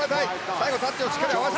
最後タッチをしっかり合わせて。